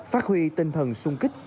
phát huy tinh thần sung kích